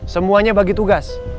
semuanya bagi tugas